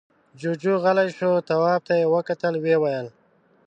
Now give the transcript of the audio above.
جُوجُو غلی شو. تواب ته يې وکتل، ويې ويل: